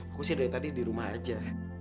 aku sih dari tadi di rumah aja